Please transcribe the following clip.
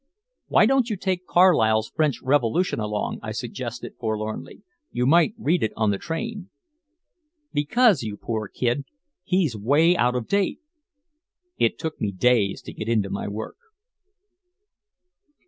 "Why don't you take Carlyle's French Revolution along?" I suggested forlornly. "You might read it on the train." "Because, you poor kid, he's way out of date." It took me days to get into my work.